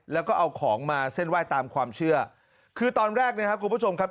แล้วก็เอาของมาเส้นไหว้ตามความเชื่อคือตอนแรกนะครับคุณผู้ชมครับ